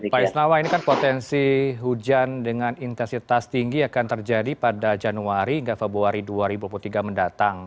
pak isnawa ini kan potensi hujan dengan intensitas tinggi akan terjadi pada januari hingga februari dua ribu dua puluh tiga mendatang